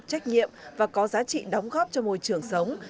trách nhiệm và có giá trị đóng góp cho môi trường sống